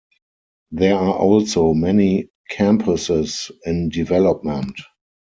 There are also many campuses in development.